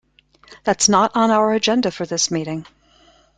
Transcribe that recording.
That's not on our agenda for this meeting.